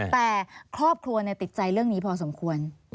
แต่ครอบครัวติดใจเรื่องนี้พอสมควร